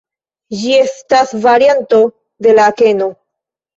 Ĝi estas varianto de la akeno.